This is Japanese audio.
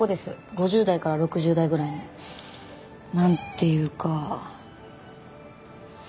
５０代から６０代ぐらいの。なんていうかさすらったり。